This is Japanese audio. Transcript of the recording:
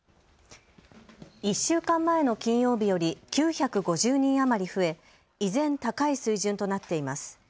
１週間前の金曜日より９５０人余り増え依然、高い水準となっています。